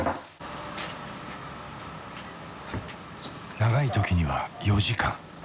長い時には４時間。